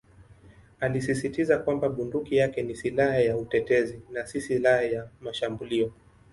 Alisisitiza kwamba bunduki yake ni "silaha ya utetezi" na "si silaha ya mashambulio".